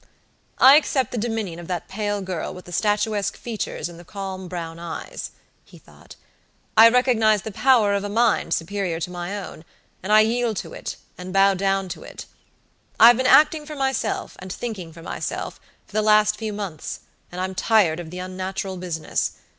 "I accept the dominion of that pale girl, with the statuesque features and the calm brown eyes," he thought. "I recognize the power of a mind superior to my own, and I yield to it, and bow down to it. I've been acting for myself, and thinking for myself, for the last few months, and I'm tired of the unnatural business.